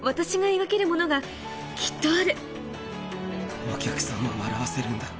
でも、お客さんを笑わせるんだ。